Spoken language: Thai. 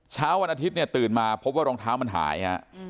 เช้าวันอาทิตย์เนี่ยตื่นมาพบว่ารองเท้ามันหายฮะ